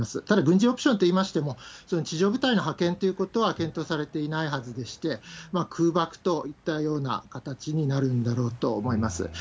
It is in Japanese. ただ、軍事オプションといいましても、地上部隊の派遣ということは検討されていないはずでして、空爆といったような形になるんだろうと思います。